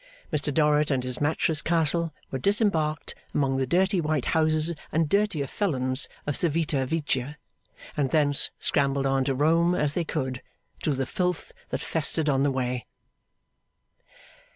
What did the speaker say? Mr Dorrit and his matchless castle were disembarked among the dirty white houses and dirtier felons of Civita Vecchia, and thence scrambled on to Rome as they could, through the filth that festered on the way.